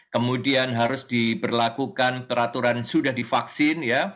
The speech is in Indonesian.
kemudian harus diberlakukan peraturan sudah divaksin